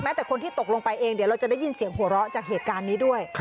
แต่คนที่ตกลงไปเองเดี๋ยวเราจะได้ยินเสียงหัวเราะจากเหตุการณ์นี้ด้วย